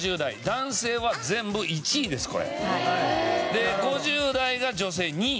で５０代が女性２位。